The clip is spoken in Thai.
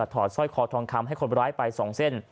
หยุดถอดสร้อยคอทองคำให้คนร้ายไปสองเส้น